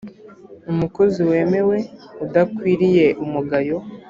umukozi wemewe udakwiriye umugayo